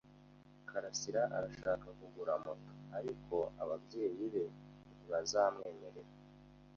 karasira arashaka kugura moto, ariko ababyeyi be ntibazamwemerera.